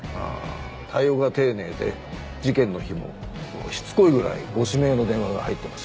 対応が丁寧で事件の日もしつこいぐらいご指名の電話が入ってました。